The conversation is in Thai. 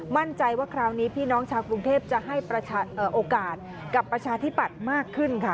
มั่นใจว่าคราวนี้พี่น้องชาวกรุงเทพจะให้โอกาสกับประชาธิปัตย์มากขึ้นค่ะ